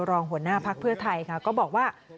รองหัวหน้าพักเพื่อไทยค่ะก็บอกว่า